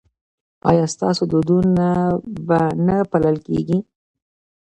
ایا ستاسو دودونه به نه پالل کیږي؟